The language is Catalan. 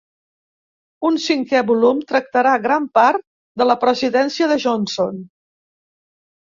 Un cinquè volum tractarà gran part de la presidència de Johnson.